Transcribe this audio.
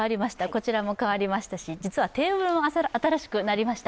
こちらも変わりましたし、実はテーブルも新しくなりました。